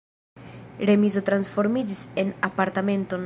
Remizo transformiĝis en apartamenton.